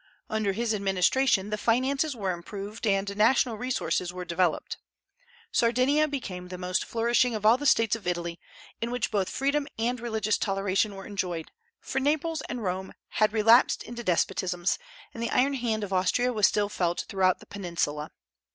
Under his administration the finances were improved and national resources were developed. Sardinia became the most flourishing of all the States of Italy, in which both freedom and religious toleration were enjoyed, for Naples and Rome had relapsed into despotisms, and the iron hand of Austria was still felt throughout the peninsula.